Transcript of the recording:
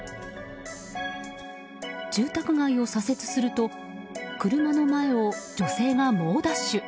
住宅街を左折すると車の前を女性が猛ダッシュ。